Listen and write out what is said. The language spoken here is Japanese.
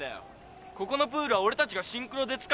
ここのプールは俺たちがシンクロで使うんだよ？